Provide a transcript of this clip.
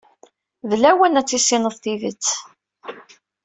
D lawan ad as-tiniḍ tidet.